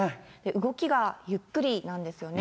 動きがゆっくりなんですよね。